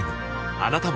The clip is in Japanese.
あなたも